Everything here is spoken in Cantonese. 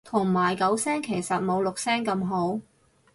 同埋九聲其實冇六聲咁好